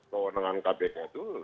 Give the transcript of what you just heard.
kewenangan kpk itu